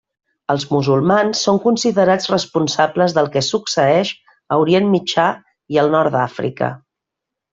Els musulmans són considerats responsables del que succeeix a Orient Mitjà i el Nord d'Àfrica.